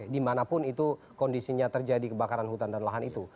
dimanapun itu kondisinya terjadi kebakaran hutan dan lahan itu